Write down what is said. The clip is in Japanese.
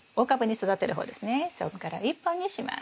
そこから１本にします。